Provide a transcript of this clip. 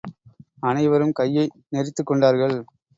அனைவரும் கையை நெரித்துக் கொண்டார்கள்.